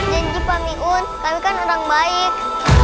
janji pak miun kami kan orang baik